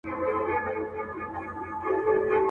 خره یې وروڼه وه آسونه یې خپلوان وه.